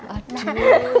aduh ya ampun